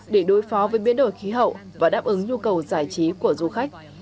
để đối phó với biến đổi khí hậu và đáp ứng nhu cầu giải trí của du khách